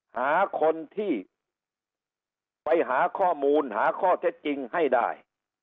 หาคนที่ไปหาข้อมูลหาข้อเท็จจริงให้ได้